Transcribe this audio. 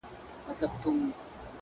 • شګوفې په ټوله ښکلا غوړېدلي وې ,